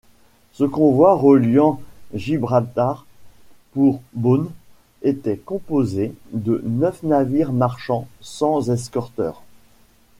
Ce convoi reliant Gibraltar pour Bône était composé de neuf navires marchands sans escorteur.